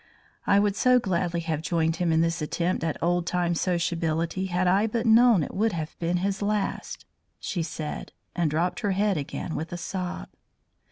"I would so gladly have joined him in this attempt at old time sociability had I but known it would have been his last," she said, and dropped her head again with a sob.